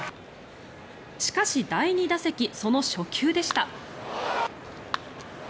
しかし第２打席その初球でした。